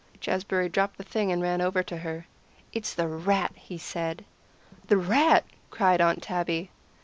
Jazbury dropped the thing and ran over to her. "It's the rat," he said. "The rat!" cried Aunt Tabby.